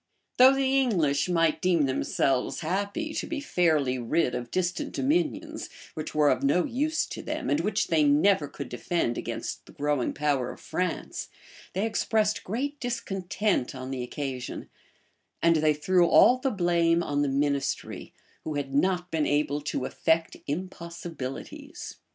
Though the English might deem themselves happy to be fairly rid of distant dominions, which were of no use to them, and which they never could defend against the growing power of France, they expressed great discontent on the occasion: and they threw all the blame on the ministry, who had not been able to effect impossibilities.